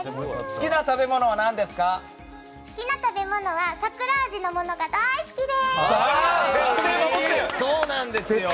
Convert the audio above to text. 好きな食べ物は桜味のものが大好きです！